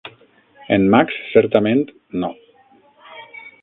En "Max", certament, no.